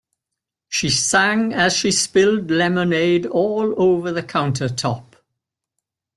She sang as she spilled lemonade all over the countertop.